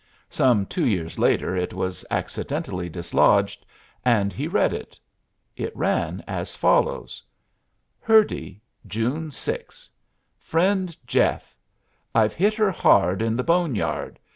Some two years later it was accidentally dislodged and he read it. It ran as follows: HURDY, June 6. FRIEND JEFF: I've hit her hard in the boneyard.